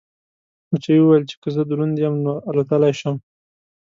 مچۍ وویل چې که زه دروند یم نو الوتلی شم.